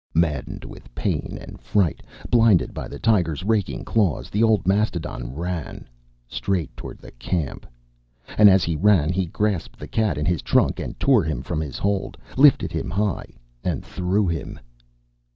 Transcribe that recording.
Maddened with pain and fright, blinded by the tiger's raking claws, the old mastodon ran straight toward the camp. And as he ran, he grasped the cat in his trunk and tore him from his hold, lifted him high and threw him.